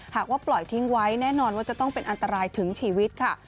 หากว่าปล่อยทิ้งไว้แน่นอนว่าจะต้องเป็นอันตรายถึงชีวิตค่ะ